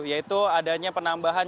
yaitu adanya penambahan